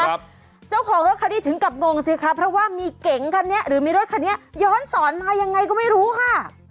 เจ้าของรถคันนี้ถึงกับงงสิคะเพราะว่ามีเก๋งคันนี้หรือมีรถคันนี้ย้อนสอนมายังไงก็ไม่รู้ค่ะ